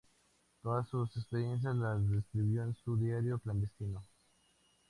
Todas sus experiencias las describió en su "Diario clandestino".